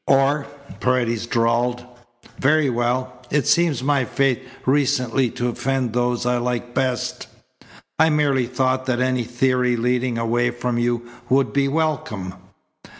"Or?" Paredes drawled. "Very well. It seems my fate recently to offend those I like best. I merely thought that any theory leading away from you would be welcome."